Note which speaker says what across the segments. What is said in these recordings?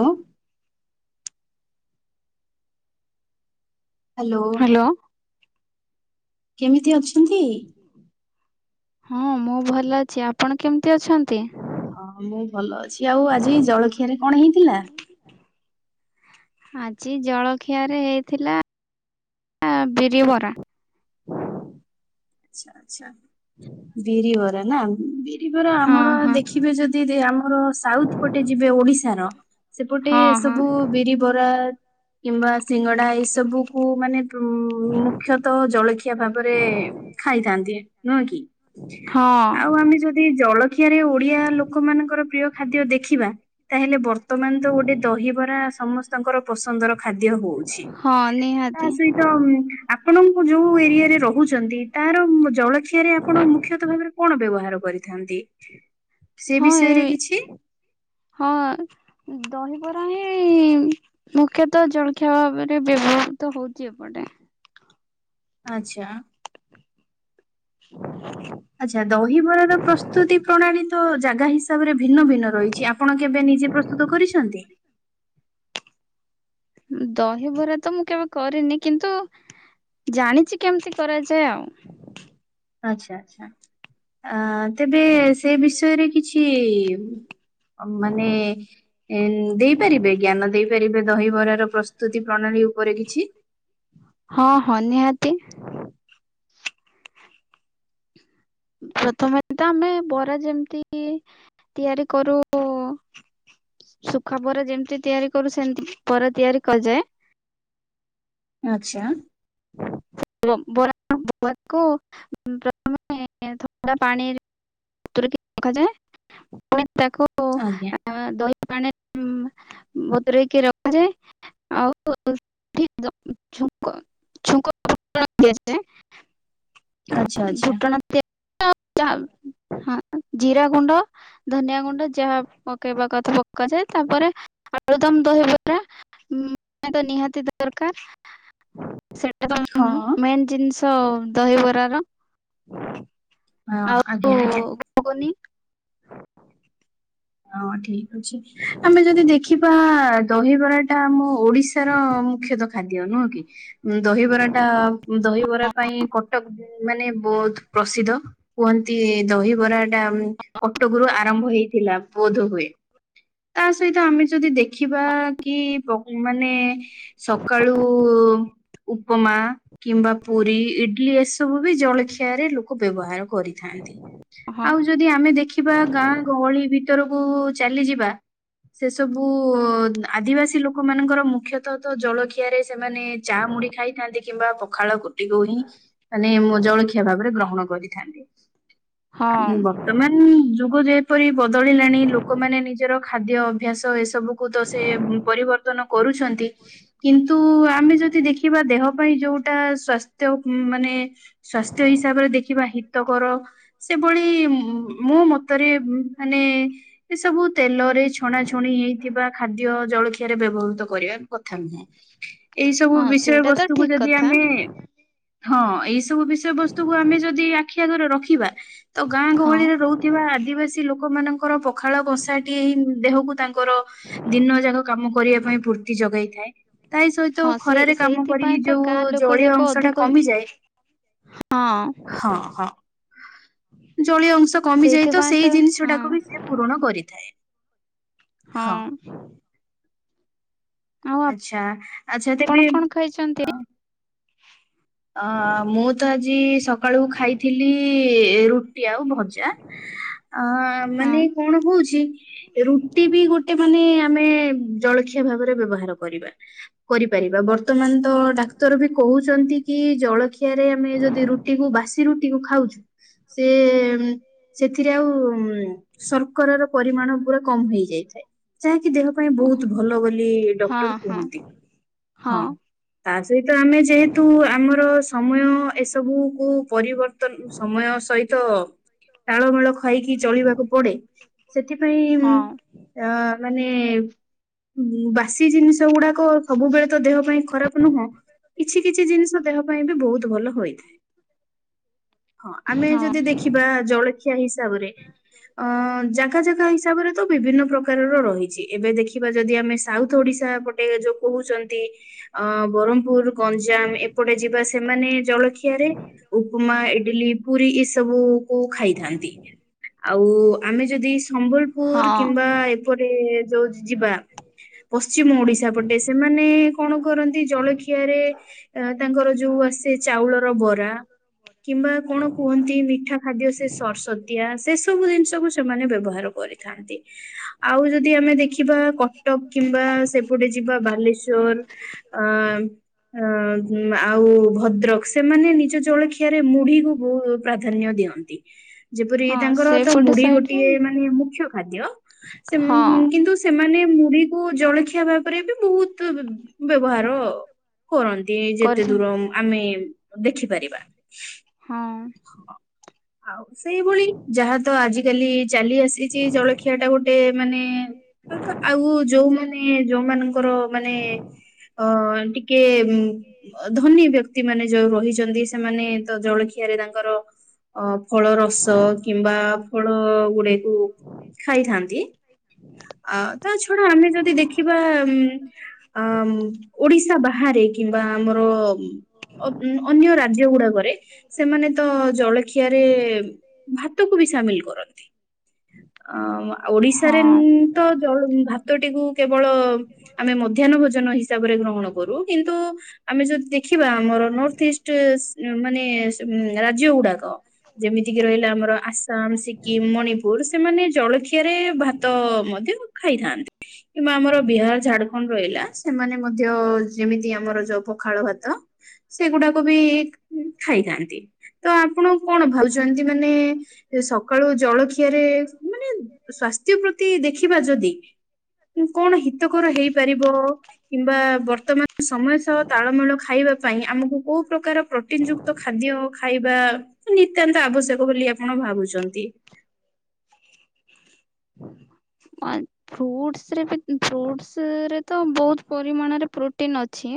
Speaker 1: ଅଁ। ହ୍ୟାଲୋ କେମିତି ଅଛନ୍ତି?
Speaker 2: ହଁ ମୁଁ ଭଲ ଅଛି ଆପଣ କେମତି ଅଛନ୍ତି?
Speaker 1: ହଁ ମୁଁ ଭଲ ଅଛି। ଆଉ ଆଜି ଜଳଖିଆରେ କଣ ହେଇଥିଲା?
Speaker 2: ଆଜି ଜଳଖିଆରେ ହେଇଥିଲା ବିରି ବରା।
Speaker 1: ଆଚ୍ଛା ଆଚ୍ଛା ବିରି ବରା ନା। ଏଇ ଯୋଉରା
Speaker 2: ହଁ
Speaker 1: ଆମର
Speaker 2: ହଁ
Speaker 1: ଦେଖିବେ ଯଦି ଆମର ସାଉଥ୍ ପଟେ ଯିବେ ଓଡିଶାର ସେପଟେ
Speaker 2: ହଁ ହଁ
Speaker 1: ସବୁ ବିରି ବରା କିମ୍ବା ସିଙ୍ଗଡା ଏଇ ସବୁକୁ ମାନେ ଉ ମୁଖ୍ୟତଃ ଜଳଖିଆ ଭାବରେ ଖାଇଥାନ୍ତି ନୁଏଁ କି।
Speaker 2: ହଁ।
Speaker 1: ଆଉ ଆମେ ଯଦି ଜଳଖିଆରେ ଓଡିଆ ଲୋକମାନଙ୍କର ପ୍ରିୟ ଖାଦ୍ୟ ଦେଖିବା। ତାହେଲେ ବର୍ତ୍ତମାନ ତ ଗୋଟେ ଦହିବରା ସମସ୍ତଙ୍କର ପସନ୍ଦର ଖାଦ୍ୟ ହୋଉଛି
Speaker 2: ହଁ
Speaker 1: ତା
Speaker 2: ନିହାତି
Speaker 1: ସହିତ ଆପଣଙ୍କୁ ଯୋଉ ଏରିଆରେ ରହୁଚନ୍ତି। ତାର ଜଳଖିଆରେ ଆପଣ ମୁଖ୍ୟତଃ ଭାବରେ କଣ ବ୍ୟବହାର କରିଥାନ୍ତି? ସେ
Speaker 2: ହଁ ଏ
Speaker 1: ବିଷୟରେ କିଛି
Speaker 2: ହଁ ଦହିବରା ହିଁ ମୁଖ୍ୟତଃ ଜଳଖିଆ ଭାବେରେ ବ୍ୟବହୃତ ହୋଉଚି ଏପଟେ।
Speaker 1: ଆଚ୍ଛା।
Speaker 2: [inaudible]
Speaker 1: ଆଚ୍ଛା ଦହିବରା ର ପ୍ରସ୍ତୁତି ପ୍ରଣାଳୀ ତ ଜାଗା ହିଁ ତାପରେ ଭିନ୍ନ ଭିନ୍ନ ରହିଚି ଆପଣ କେବେ ନିଜେ ପ୍ରସ୍ତୁତ କରିଛନ୍ତି?
Speaker 2: ଦହିବରା ତ ମୁଁ କେବେ କରିନି କିନ୍ତୁ ଜାଣିଚି କେମିତି କରାଯାଏ ଆଉ।
Speaker 1: ଆଚ୍ଛା ଆଚ୍ଛା ଆ ତେବେ ସେ ବିଷୟରେ କିଛି ଅ ମାନେ ଏଁ ଦେଇପାରିବେ ଜ୍ଞାନ ଦେଇପାରିବେ ଦହିବରାର ପ୍ରସ୍ତୁତି ପ୍ରଣାଳୀ ଉପରେ କିଛି?
Speaker 2: ହଁ ହଁ ନିହାତି। ପ୍ରଥମେ ତ ଆମେ ବରା ଯେମତି ତିଆରି କରୁ ସୁୁଖା ବରା ଯେମତି ତିଆରି କରୁ ସେମତି ବରା ତିଆରି କରାଯାଏ।
Speaker 1: ଆଚ୍ଛା
Speaker 2: [unintelligible] ବ ବରା ବରା କୁ ପ୍ରଥମେ ଏଁ ଏଁ ଥଣ୍ଡା ପାଣି ରେ ବତୁରେଇକି ରଖାଯାଏ। ଫୁଣି ତାକୁ
Speaker 1: ଆଜ୍ଞା
Speaker 2: ଆଁ ଦହି ପାଣେ ବତୁରେଇକି ରଖାଯାଏ। [unintelligible] [unintelligible]
Speaker 1: ଆଚ୍ଛା ଆଚ୍ଛା।
Speaker 2: [unintelligible] ହଁ ଜିରା ଗୁଣ୍ଡ ଧନିଆ ଗୁଣ୍ଡ ଯାହା ପକେଇବା କଥା ପକାଯାଏ ତାପରେ ଆଳୁଦମ୍ ଦହିବରା ମାନେ ତ ନିହାତି ଦରକାର। ସେଟା ତ
Speaker 1: ହଁ
Speaker 2: ମେନ୍ ଜିନିଷ ଦହିବରାର।
Speaker 1: ହଁ
Speaker 2: ଆଉ
Speaker 1: ଆଜ୍ଞା ଆଜ୍ଞା।
Speaker 2: ଘୁଗୁନି
Speaker 1: ହଁ ଠିକ୍। ବୁଝି ଆମେ ଯଦି ଦେଖିବା ଦହିବରାଟା ଆମ ଓଡିଶାର ମୁଖ୍ୟ ଦ ଖାଦ୍ୟ ନୁହଁ କି? ଉଁ ଦହିବରା ଟା ଦହିବରା ପାଇଁ କଟକ ମାନେ ବହୁତ ପ୍ରସିଦ୍ଧ। କୁହନ୍ତି ଦହିବରା ଟା କଟକରୁ ଆରମ୍ଭ ହେଇଥିଲା। ବୋଧ ହୁଏ ତା ସହିତ ଆମେ ଯଦି ଦେଖିବା କି ପ୍ରୋ ମାନେ ସକାଳୁ ଉପମା, କିମ୍ବା ପୁରି ଇଟିଲି ଏ ଏସବୁ ବି ଜଳଖିଆରେ ଲୋକ ବ୍ୟବହାର କରିଥାନ୍ତି
Speaker 2: ହଁ
Speaker 1: ଆଉ ଯଦି ଯଦି ଆମେ ଦେଖିବା ଗାଁ ଗହଳି ଭି ତରକୁ ଚାଲିଯିବା ସେ ସବୁ ଆଦିବାସୀ ଲୋକ ମାନଙ୍କର ମୁଖ୍ୟ ତ ତ ଜଳଖିଆରେ ସେମାନେ ଚା ମୁଢ଼ି ଖାଇଥାନ୍ତି କିମ୍ବା ପଖାଳ କୁ ଇ ଗୌରୀ ମାନେ ମୋ ଜଳଖିଆ ଭାବରେ ଗ୍ରହଣ କରିଥାଆନ୍ତି
Speaker 2: ହଁ
Speaker 1: ମାନେ ବର୍ତ୍ତ ମାନେ ଯୁଗ ଯେପରି ବଦଳିଲାଣି ଲୋକମାନେ ନିଜର ଖାଦ୍ୟ ଅଭ୍ୟାସ ଏ ସବୁକୁ ତ ସେ ପରିବର୍ତ୍ତନ କରୁଛନ୍ତି କିନ୍ତୁ ଆମେ ଯଦି ଦେଖିବା ଦେହ ଆମ ପାଇଁ ଯୋଉଟା ସ୍ଵାସ୍ଥ୍ୟ ମାନେ ସ୍ଵାସ୍ଥ୍ୟ ହିସାବରେ ଦେଖିବା ହିତକର ସେଭଳି ମୋ ମତରେ ମାନେ ଏସବୁ ତେଲରେ ଛଣା ଛଣି ହେଇଥିବା ଖାଦ୍ୟ ଜଳଖିଆ ରେ ବ୍ୟବହୃତ କରିବା କଥା ନୁହ। ଏଇ ସବୁ
Speaker 2: ହଁ
Speaker 1: ବିଷୟ
Speaker 2: ସେଇଟା ତ ଠିକ
Speaker 1: ବସ୍ତୁକୁ ଯଦି
Speaker 2: କଥା
Speaker 1: ଆମେ ହଁ ଏଇ ସବୁ ବିଷୟ ବସ୍ତୁକୁ ଆମେ ଯଦି ଆଖି ଆଗରେ ରଖିବା ତ ଗାଁ
Speaker 2: ହଁ
Speaker 1: ଗହଳିରେ ରହୁ ଥିବା ଆଦିବାସୀ ଲୋକ ମାନଙ୍କର ପଖାଳ କଂସାଟିଏ ହି ଦେହକୁ ତାଙ୍କର ଦିନ ଯାକ କାମ କରିବା ପାଇଁ ଫୁର୍ତ୍ତି ଯୋଗାଇଥାଏ ତାଇ ସହିତ
Speaker 2: ହଁ ସେଇ
Speaker 1: ଖରାରେ କାମ
Speaker 2: ସେଇଥିପାଇଁ
Speaker 1: କରିକି
Speaker 2: ତ
Speaker 1: ଯୋଉ
Speaker 2: ଗାଁ ଲୋକ
Speaker 1: ଜଳୀୟ
Speaker 2: ଯାକ
Speaker 1: ଅଂଶ ଟା
Speaker 2: ଅଧିକ
Speaker 1: କମିଯାଏ।
Speaker 2: ହଁ।
Speaker 1: ହଁ ହଁ ଜଳୀୟ ଅଂଶ କମିଯାଏ ତ
Speaker 2: ସେଇଥିପାଇଁ
Speaker 1: ସେଇ ଜିନିଷ
Speaker 2: ହଁ
Speaker 1: ଟାକୁ ବି ସେ ପୂରଣ କରିଥାଏ।
Speaker 2: ହଁ। ଆଉ ଆପ
Speaker 1: ଆଚ୍ଛା ଆଚ୍ଛା ତେବେ
Speaker 2: ଆପଣ କଣ ଖାଇଛନ୍ତି?
Speaker 1: ଅ ଅ ମୁଁ ତ ଆଜି ସକାଳୁ ଖାଇଥିଲି ରୁଟି ଆଉ ଭଜା। ଅଁ
Speaker 2: ହଁ
Speaker 1: ମାନେ କଣ ହଉଛି? ରୁଟି ବି ଗୋଟେ ମାନେ ଆମେ ଜଳଖିଆ ଭାବରେ ବ୍ୟବହାର କରିବା। କରିପାରିବା ବର୍ତ୍ତମାନ ତ ଡାକ୍ତର ବି କହୁଛନ୍ତି କି ଜଳଖିଆରେ ଆମେ ଯଦି ରୁଟିକୁ ବାସି ରୁଟିକୁୁ ଖାଉଛୁ ସେ ମଁ ସେଥିରେ ଆଉ ଉଁ ଶର୍କରାର ପରିମାଣ ପୁରା କମ୍ ହେଇଯାଇଥାଏ। ଯାହାକି ଦେହ ପାଇଁ ବହୁତ ଭଲ ବୋଲି
Speaker 2: ହଁ
Speaker 1: ଡକ୍ଟର
Speaker 2: ହଁ
Speaker 1: କୁହନ୍ତି।
Speaker 2: ହଁ।
Speaker 1: ତା ସହିତ ଆମେ ଯେହେତୁ ତ ସମୟ ଏସବୁକୁ ପରିବର୍ତ୍ତନ ସମୟ ସହିତ ତାଳମେଳ ଖାଇକି ଚଳିବାକୁ ପଡେ ସେଥିପାଇଁ ଉଁ
Speaker 2: ହଁ
Speaker 1: ଅ ମାନେ ବାସି ଜିନିଷ ଗୁଡା, କ ସବୁବେଳେ ତ ଦେହ ପାଇଁ ଖରାପ ନୁହଁ କିଛି କିଛି ଜିନିଷ ଦେହ ପାଇଁ ବି ବହୁତ ଭଲ ହୋଇଥାଏ। ହଁ ଆମେ
Speaker 2: ହଁ
Speaker 1: ଯଦି ଦେଖିବା ଜଳ ଖିଆ ହିସାବରେ ଅ ଜାଗା ଜାଗା ହିସାବରେ। ତ ବିଭିନ୍ନ ପ୍ରକାରର ରହିଛି ଏବେ ଦେଖିବା ଯଦି ଆମେ ସାଉଥ ଓଡିଶା ପଟେ ଯୋଉ କହୁଛନ୍ତି। ଅ ବରମପୁର ଗଞ୍ଜାମ ଏ ଏପଟେ ଯିବା ସେମାନେ ଜଳଖିଆରେ ଉପମା ଇଡିଲି ପୁରୀ ଏସବୁ କୁ ଖାଇଥାନ୍ତି ଆଉ ଆମେ ଯଦି ସମ୍ବଲପୁର
Speaker 2: ହଁ
Speaker 1: କିମ୍ବା ଏତ ଏପଟେ ଯୋଉ ଯିବା। ପଶ୍ଚିମ ଓଡିଶା ପଟେ ସେମାନେ କଣ କରନ୍ତି ଜଳଖିଆରେ ଆ ତାଙ୍କର ଯୋଉ ଆସେ ଚାଉଳର ବରା। କିମ୍ବା କଣ କୁହନ୍ତି ମିଠା ଖାଦ୍ୟ ସେ ସରସତିଆ ସେ ସ ସବୁ ଜିନିଷକୁ ସେମାନେ ବ୍ୟବହାର କରିଥାନ୍ତି ଆଉ ଯଦି ଆମେ ଦେଖି କିିମ୍ୱା କଟକ କିମ୍ବା ସେପଟେ ଯିବା ବାଲେଶ୍ଵର ଆଁ ଆଁ। ହୁଁ ଆଉ ଭଦ୍ରକ ସେମାନେ ନିଜ ଜଳଖିଆରେ ମୁଢିକୁ ବହୁ ପ୍ରାଧାନ୍ୟ ଦିଅନ୍ତି। ଯେପରି
Speaker 2: ହଁ
Speaker 1: ତାଙ୍କର ତ
Speaker 2: ସେଇପଟେ
Speaker 1: ମୁଢି
Speaker 2: ସାଇଡରେ
Speaker 1: ଗୋଟିଏ ମାନେ ମୁଖ୍ୟ ଖାଦ୍ୟ ସେ
Speaker 2: ହଁ
Speaker 1: ଉଁ କିନ୍ତୁ ସେମାନେ ମୁଢିକୁ ଜଳଖିଆ ଭାବରେ ବି ବହୁତ ବ ବ୍ୟବହାର କରନ୍ତି। ତି ଯେତେ
Speaker 2: କରିଥା
Speaker 1: ଦୂର ମ ଆମେ ଦେଖିପାରିବା।
Speaker 2: ହଁ।
Speaker 1: ହଁ ଆଉ ସେଇଭଳି ଯାହା ତ ଆଜିକାଲି ଚାଲି ଆସିଛି ଜଳଖିଆଟା ଗୋଟେ ମାନେ ତାଙ୍କ ଆଉ ଯୋଉମାନେ ଯୋଉମାନଙ୍କ ଯୋଉମାନଙ୍କର ମାନେ ଅ ଟିକେ ଉଁ ଅ ଧନୀ ବ୍ୟକ୍ତି ମାନେ ଯୋଉ ରହିଛନ୍ତି ସେମାନେ ତ ଜଳଖିଆରେ ତାଙ୍କର ଅ ଫଳ ରସ କିମ୍ବା ଫଳ ଗୁଡେକୁ ଖାଇଥାନ୍ତି। ଆ ତା ଛଡା ଆମେ ଯଦି ଦେଖିବା ଉଁ ଆ ଉଁ ଓଡିଶା ବାହାରେ କିମ୍ବା ଆମର ଅନ ଅନ୍ୟ ରା ଖାଦ୍ୟ ଗୁଡାକରେ ସେମାନେ ତ ଜଳଖିଆରେ ଭାତକୁ ବି ସାମିଲ କରନ୍ତି। ଅ ଆ ଓଡିଶାରେ
Speaker 2: ହଁ
Speaker 1: ତ ଜଳ ଭାତଟିକୁ କେବଳ ଆମେ ମଧ୍ୟାହ୍ନ ଭୋଜନ ହିସାବରେ ଗ୍ରହଣ କରୁ କିନ୍ତୁ ଆମେ ଯଦି ଦେଖିବା ଆମର ନର୍ଥ ଇଷ୍ଟ ସୀ ମାନେ ସ ରାଜ୍ୟ ଗୁଡାକ। ଯେମିତିକି ରହିଲା ଆମର ଆସାମ ସିକିମ ମଣିପୁର। ସେମାନେ ଜଳଖିଆରେ ଭାତ ମଧ୍ୟ ଖାଇଥାନ୍ତି। କିମ୍ବା ଆମର ବିହାର ଝାଡଖଣ୍ଡ ରହିଲା ସେମାନେ ମଧ୍ୟ ଯେମିତି ଆମର ଯଉ ପଖାଳ ଭାତ। ସେଗୁଡାକୁ ବି ଖାଇଥାନ୍ତି ତ ଆପଣ କଣ ଭାବୁଛନ୍ତି ମାନେ? ସେ ସକାଳୁ ଜଳଖିଆରେ ମାନେ ସ୍ଵାସ୍ଥ୍ୟ ପ୍ରତି ଦେଖିବା ଯଦି କଣ ହିତକର ହେଇ ପାରିବ। କିମ୍ବା ବର୍ତ୍ତମାନ ସମୟ ସହ ତାଳମେଳ ଖାଇବା ପାଇଁ ଆମକୁ କୋଉ ପ୍ରକାର ପ୍ରୋଟିନ ଯୁ ତ ଖାଦ୍ୟ ଖାଇବା ନିତ୍ୟାନ୍ତ ଆବଶ୍ୟକ ବୋଲି ଆପଣ ଭାବୁଛନ୍ତି।
Speaker 2: [unintelligible] ଫ୍ରୁଟସରେ ବି ଫ୍ରୁଟସରେ ତ ବହୁତ୍ ପରିମାଣରେ ପ୍ରୋଟିନ ଅଛି।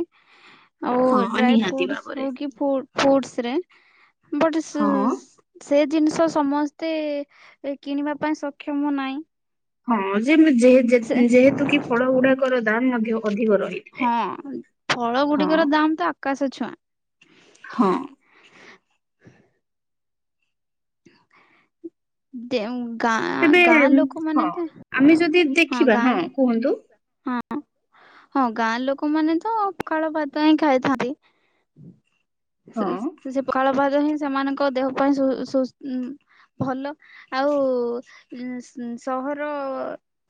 Speaker 1: ହଁ ନିହାତି ଭାବରେ।
Speaker 2: ଫୁ ଫୁଟସରେ ବଟ୍ ସ
Speaker 1: ହଁ।
Speaker 2: ସେ ଜିନିଷ ସମସ୍ତେ କିଣିବା ପାଇଁ ସକ୍ଷମ ନାଇଁ।
Speaker 1: ହଁ ଯେ ମ ଯେ ଯେ ଯେହେତୁ କି ଫଳ ଗୁଡାକର ଦାମ୍ ମଧ୍ୟ ଅଧିକ ରହିଥାଏ
Speaker 2: ହଁ ଫଳ
Speaker 1: ହଁ।
Speaker 2: ଗୁଡିକର ଦାମ ତ ଆକାଶ ଛୁଆଁ।
Speaker 1: ହଁ।
Speaker 2: ଯେଉଁ ଗାଁ
Speaker 1: ତେବେ
Speaker 2: ଗାଁ ଲୋକମାନେ
Speaker 1: ହଁ
Speaker 2: ତ
Speaker 1: ଆମେ ଯଦି ଦେଖିବା
Speaker 2: ଗାଁ
Speaker 1: ହଁ କୁହନ୍ତୁ।
Speaker 2: ହଁ। ହଁ ଗାଁ ଲୋକମାନେ ତ ପଖାଳ ଭାତ ହିଁ ଖାଇଥାନ୍ତି। ସେ
Speaker 1: ହଁ।
Speaker 2: ସେ ସେ ପଖାଳ ଭାତ ହିଁ ସେମାନଙ୍କ ଦେହ ପାଇଁ ସୁ ସୁ ଉଁ ଭଲ। ଆଉ ଉ ସହର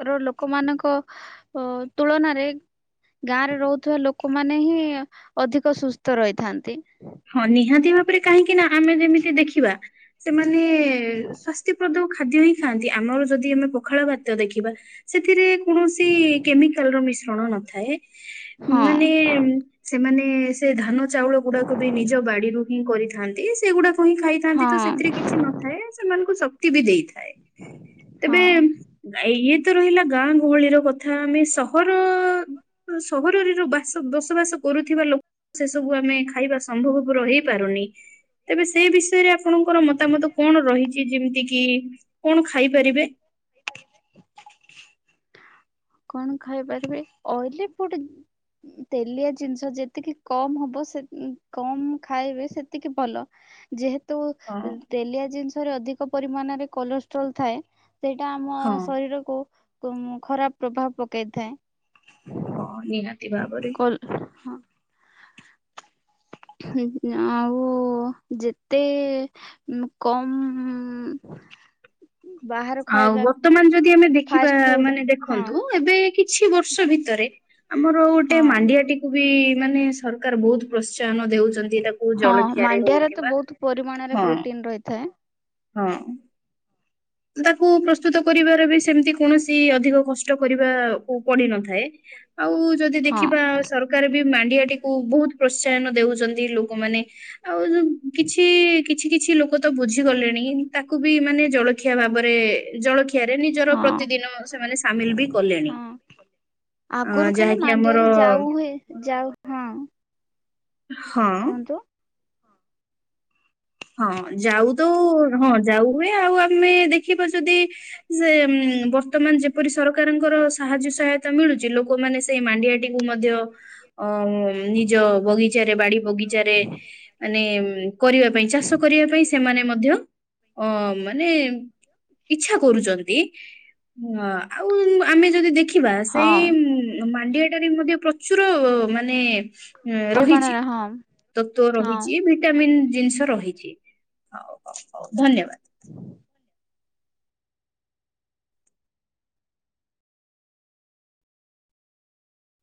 Speaker 2: ର ଲୋକମାନଙ୍କ ଅ ତୁଳନାରେ ଗାଁ ରେ ରହୁଥିବା ଲୋକମାନେ ହିଁ ଅଧିକ ସୁସ୍ଥ ରହିଥାନ୍ତି।
Speaker 1: ହଁ ନିହାତି ଭାବରେ କାହିଁକି ନା ଆମେ ଯେମିତି ଦେଖିବା ସେମାନେ ସ୍ଵାସ୍ଥିପ୍ରଦ ଖାଦ୍ୟ ହିଁ ଖାଆନ୍ତି ଆମର ଯଦି ଆମେ ପଖାଳ ଭାତ ଦେଖିବା ସେଥିରେ କୌଣସି କେମିକାଲର ମିଶ୍ରଣ କଣ ନଥାଏ
Speaker 2: ହଁ
Speaker 1: ମାନେ ସେମାନେ ସେ ଧାନ ଚାଉଳ ଗୁଡ଼ା କୁ ବି ନିଜ ପା ବାଡ଼ିରୁ ହିଁ କରିଥାନ୍ତି ସେଗୁଡ଼ାକ ତାକୁ ହିଁ ଖାଇଥାନ୍ତି ତ ସେଥିରେ
Speaker 2: ହଁ
Speaker 1: କିଛି ନଥାଏ ସେମାନଙ୍କୁ ଶକ୍ତି ବି ଦେଇଥାଏ।
Speaker 2: ହଁ
Speaker 1: ତେବେ ଆ ଇଏ ତ ରହିଲା ଗାଁ ଗହଳି ର କଥା ଆମେ ସହର ସହରରେ ର ବାସ ବସବାସ କରୁଥିବା ଲୋକ ସେ ସବୁ ଆମେ ଖାଇବା ସମ୍ଭବ ପୁର ହେଇପାରୁନି ତେବେ ସେଇ ବିଷୟରେ ଆ ପଣଙ୍କର ମତାମତ କଣ ରହିଚି ଯେମିତି କି କଣ ଖାଇପାରିବେ?
Speaker 2: କଣ ଖାଇପାରିବେ ଅଇଲି ଫୁଡ ତେଲିଆ ଜିନିଷ ଯେତିକି କମ ହବ ସେ କମ ଖାଇବେ ସେତିକି ଭଲ। ଯେହେତୁ
Speaker 1: ହଁ
Speaker 2: ତେଲିଆ ଜିନିଷରେ ଅଧିକ ପରିମାଣରେ କଲେଷ୍ଟ୍ରୋଲ ଥାଏ। ସେଇଟା ଆମ
Speaker 1: ହଁ
Speaker 2: ଶରୀରକୁୁ ଖରାପ ପ୍ରଭାବ ପକାଇଥାଏ।
Speaker 1: ହଁ ନିହାତି ଭାବରେ।
Speaker 2: କୋଲ୍ ହଁ। ଆଉ ଯେତେ ଉଁ କମ୍ ବାହାର
Speaker 1: ଆଉ
Speaker 2: ଖାଇବା
Speaker 1: ବର୍ତ୍ତମାନ ଯଦି ଆମେ ଦେଖିବା
Speaker 2: ଫାଷ୍ଟ ଫୁଡ୍
Speaker 1: ମାନେ
Speaker 2: ହଁ
Speaker 1: ଦେଖନ୍ତୁ ଏବେ କି କିଛି ବର୍ଷ ଭିତରେ ଆମର
Speaker 2: ହଁ
Speaker 1: ଗୋଟେ ମାଣ୍ଡିଆଟିକୁୁ ବି ମାନେ ସରକାର ବୋହୁତ୍ ପ୍ରୋତ୍ସାହନ ଦେଉଚନ୍ତି ତାକୁ
Speaker 2: ହଁ
Speaker 1: ଜଳଖିଆରେ ହଉ
Speaker 2: ମାଣ୍ଡିଆରେ ତ
Speaker 1: କିମ୍ବା
Speaker 2: ବହୁତ ପରିମାଣରେ
Speaker 1: ହଁ।
Speaker 2: ପ୍ରୋଟିନ ରହିଥାଏ।
Speaker 1: ହଁ। ତାକୁ ପ୍ରସ୍ତୁତ କରିବାରେ ବି ସେମିତି କୌଣସି ଅଧିକ କଷ୍ଟ କରିବାକୁ ପଡ଼ି ନଥାଏ। ଆଉ ଯଦି
Speaker 2: ହଁ
Speaker 1: ଦେଖିବା ସରକାର ବି ମାଣ୍ଡିଆଟିକୁୁ ବହୁତ ପ୍ରୋତ୍ସାହନ ଦେଉଚନ୍ତି ଲୋକମାନେ ଆଉ କିଛି କିଛି କିଛି ଲୁକ କ ତ ବୁଝି ଗଲେଣି ତାକୁ ବି ମାନେ ଜଳଖିଆ ଭାବରେ ଜଳଖିଆ ଖିଆରେ ନିଜର
Speaker 2: ହଁ।
Speaker 1: ପ୍ରତିଦିନ ସେମାନେ ସାମିଲ୍ ବି କଲେଣି। ଅ
Speaker 2: ଆଗୁରୁ ଖାଲି
Speaker 1: ଯାହାକି ଆମର
Speaker 2: ମାଣ୍ଡିଆରେ ଯାଉ ହୁଏ ଯାଉ ହଁ
Speaker 1: ହଁ।
Speaker 2: କୁହନ୍ତୁ
Speaker 1: ହଁ ଯାଉ ତ ହଁ ଯାଉ ହୁଏ ଆଉ ଆମେ ଦେଖିବା ଯଦି ସେ ବର୍ତ୍ତମାନ ଯେପରି ସରକାରଙ୍କର ସାହାଯ୍ୟ ସହାୟତା ମିଳୁଚି ଲୋକମାନେ ତେ ମାଣ୍ଡିଆଟିକୁ ମଧ୍ୟ ଅ ନିଜ ବଗିଚାରେ ବାଡ଼ି ବଗିଚାରେ ମାନେ ଉଁ କରିବା ପାଇଁ ଚାଷ କରିବା ପାଇଁ ସେମାନେ ମଧ୍ୟ ମଧ୍ଯ ଅ ମାନେ ଇଚ୍ଛା କରୁଛନ୍ତି ଆଉ ଆମେ ଯଦି ଦେଖିବା
Speaker 2: ହଁ
Speaker 1: ସେଇ ମ ମାଣ୍ଡିଆଟାରେ ମଧ୍ୟ ପ୍ରଚୁର ମାନେ ହଁ ରହିଛି
Speaker 2: ପରିମାଣରେ ହଁ
Speaker 1: ତତ୍ଵ
Speaker 2: ହଁ।
Speaker 1: ରହିଚି ଭିଟାମିନ୍ ଜିନିଷ ରହିଛି ଧନ୍ୟବାଦ୍।
Speaker 2: [inaudible]